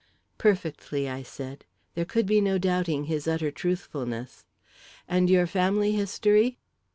"Perfectly," I said. There could be no doubting his utter truthfulness. "And your family history?"